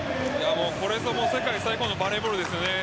これこそ世界最高峰のバレーボールですよね。